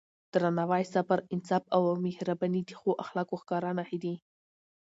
درناوی، صبر، انصاف او مهرباني د ښو اخلاقو ښکاره نښې دي.